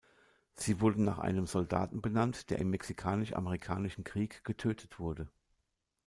Sie wurde nach einem Soldaten benannt, der im Mexikanisch-Amerikanischen Krieg getötet wurde.